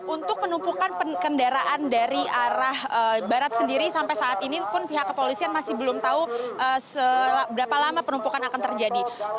untuk penumpukan kendaraan dari arah barat sendiri sampai saat ini pun pihak kepolisian masih belum tahu berapa lama penumpukan akan terjadi